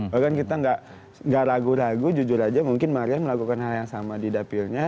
bahkan kita gak ragu ragu jujur aja mungkin marian melakukan hal yang sama di dapilnya